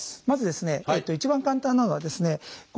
まずですね一番簡単なのはですね